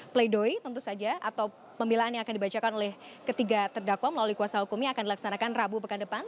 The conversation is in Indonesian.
pleidoy tentu saja atau pemilaan yang akan dibacakan oleh ketiga terdakwa melalui kuasa hukumnya akan dilaksanakan rabu pekan depan